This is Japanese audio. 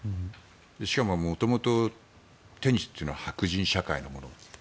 しかも元々、テニスというのは白人社会のもの。